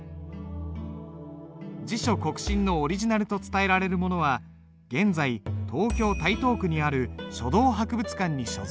「自書告身」のオリジナルと伝えられるものは現在東京・台東区にある書道博物館に所蔵されている。